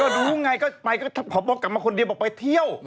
รู้ไงก็ไปก็พบกลับมาคนเดียวบอกไปเที่ยว